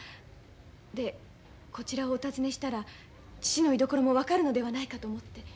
でこちらをお訪ねしたら父の居所も分かるのではないかと思って。